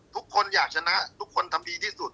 ทุกคนอยากชนะทุกคนทำดีที่สุด